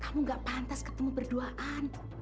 kamu gak pantas ketemu berduaan